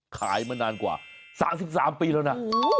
มานานกว่า๓๓ปีแล้วนะ